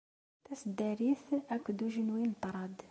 Taseddarit akked ujenwi n ṭṭrad.